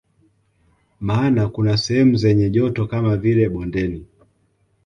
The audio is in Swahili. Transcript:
Maana kuna sehemu zenye joto kama vile bondeni